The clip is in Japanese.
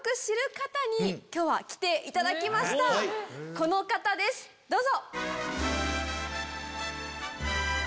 この方ですどうぞ。